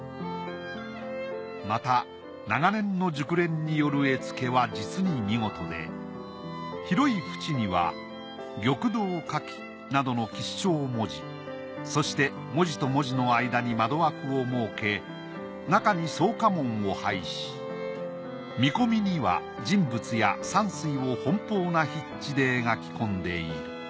また長年の熟練による絵付けは実に見事で広い縁には「玉堂佳器」などの吉祥文字そして文字と文字の間に窓枠を設け中に草花文を配し見込みには人物や山水を奔放な筆致で描き込んでいる。